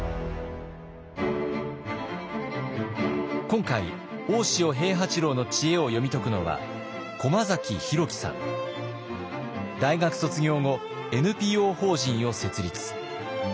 今回大塩平八郎の知恵を読み解くのは大学卒業後ＮＰＯ法人を設立。